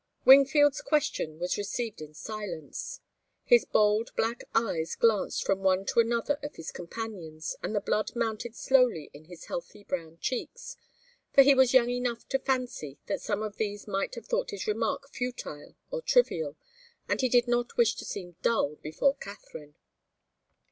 Wingfield's question was received in silence. His bold black eyes glanced from one to another of his companions, and the blood mounted slowly in his healthy brown cheeks, for he was young enough to fancy that some of these might have thought his remark futile or trivial and he did not wish to seem dull before Katharine.